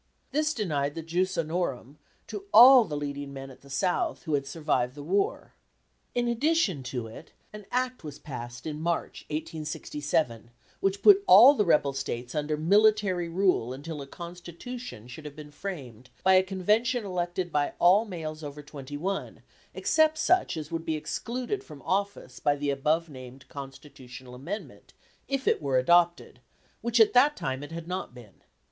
This denied the jus honorum to all the leading men at the South who had survived the war. In addition to it, an Act was passed in March, 1867, which put all the rebel States under military rule until a constitution should have been framed by a Convention elected by all males over twenty one, except such as would be excluded from office by the above named constitutional amendment if it were adopted, which at that time it had not been.